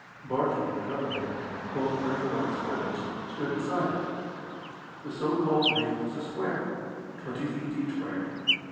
Barton and another man, both wearing white sweaters, stood beside him. The so called ring was a square, twenty feet each way.